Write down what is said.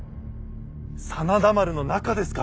真田丸の中ですか。